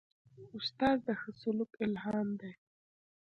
استاد د ښه سلوک الهام دی.